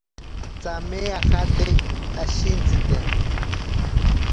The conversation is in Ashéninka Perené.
Tsame ajate ashintsite.